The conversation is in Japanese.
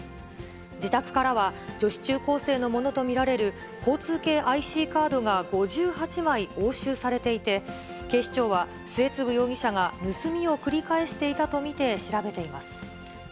自宅からは、女子中高生のものと見られる交通系ＩＣカードが５８枚押収されていて、警視庁は、末次容疑者が盗みを繰り返していたと見て調べています。